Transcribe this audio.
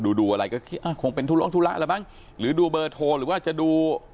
ดูดูอะไรก็คิดอ่ะคงเป็นธุรงธุระแล้วมั้งหรือดูเบอร์โทรหรือว่าจะดู